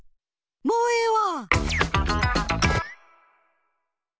もうええわ！